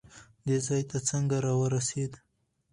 دې ځای ته څنګه راورسېد؟